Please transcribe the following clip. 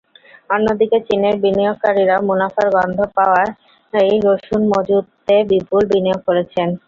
অন্যদিকে চীনের বিনিয়োগকারীরা মুনাফার গন্ধ পাওয়ায় রসুন মজুতে বিপুল বিনিয়োগ করছেন।